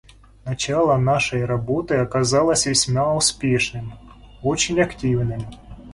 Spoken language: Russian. Начало нашей работы оказалось весьма успешным, очень активным.